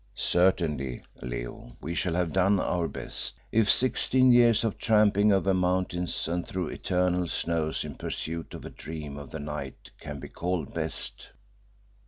"Certainly, Leo, we shall have done our best, if sixteen years of tramping over mountains and through eternal snows in pursuit of a dream of the night can be called best."